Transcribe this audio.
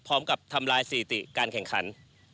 พร้อมกับทำลายสถิติการแข่งขัน